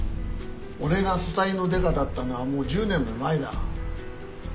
俺が組対のデカだったのはもう１０年も前だ。